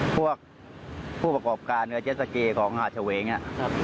พวกผู้ประกอบการอเจสเกของอาชวงศ์